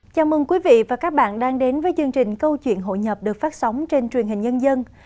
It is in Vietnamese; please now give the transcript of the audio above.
chào mừng quý vị và các bạn đang đến với chương trình câu chuyện hội nhập được phát sóng trên truyền hình nhân dân